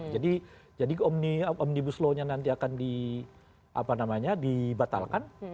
jadi omnibus lawnya nanti akan di apa namanya dibatalkan